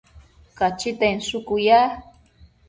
Cachita inshucu ya